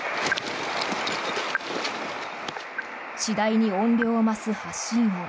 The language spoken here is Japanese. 次第に音量を増す発信音。